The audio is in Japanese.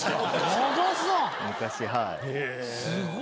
昔はい。